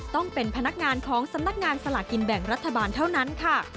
ต้องเป็นพนักงานของสำนักงานสลากกินแบ่งรัฐบาลเท่านั้นค่ะ